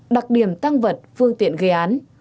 đặc điểm tăng vật phương tiện gây án